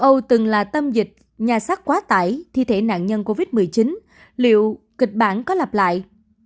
châu âu từng là tâm dịch nhà sát quá tải thi thể nạn nhân covid một mươi chín liệu kịch bản có lặp lại